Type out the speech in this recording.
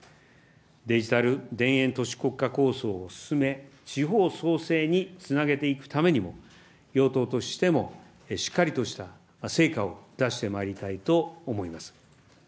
デジタル田園都市国家構想を進め、地方創生につなげていくためにも、与党としてもしっかりとした成果を出してまいりたいと思います。